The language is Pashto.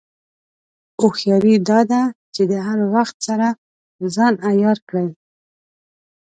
هوښیاري دا ده چې د هر وخت سره ځان عیار کړې.